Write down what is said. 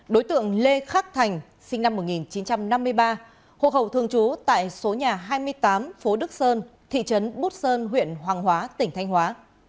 đối tượng lê khắc thành sinh năm một nghìn chín trăm năm mươi ba hộ khẩu thường trú tại số nhà hai mươi tám phố đức sơn thị trấn bút sơn huyện hoàng hóa tỉnh thanh hóa